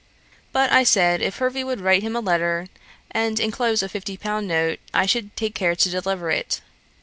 But I said, if Hervey would write him a letter, and enclose a fifty pound note, I should take care to deliver it.